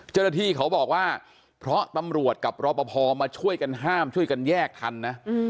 เจ้าหน้าที่เขาบอกว่าเพราะตำรวจกับรอปภมาช่วยกันห้ามช่วยกันแยกทันนะ